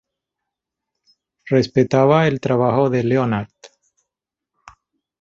Respetaba el trabajo de Leonard.